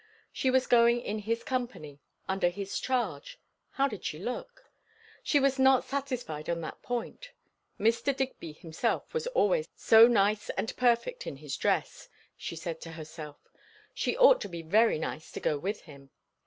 She was going in his company; under his charge; how did she look? She was not satisfied on that point. Mr. Digby himself was always so nice and perfect in his dress, she said to herself; she ought to be very nice to go with him.